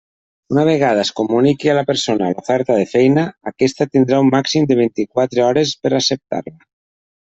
Una vegada es comuniqui a la persona l'oferta de feina, aquesta tindrà un màxim de vint-i-quatre hores per acceptar-la.